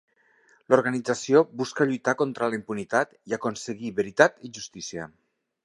L'organització busca lluitar contra la impunitat i aconseguir veritat i justícia.